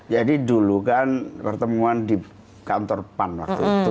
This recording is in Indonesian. jadi dulu kan pertemuan di kantor pan waktu itu